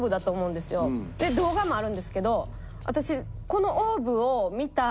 で動画もあるんですけど私。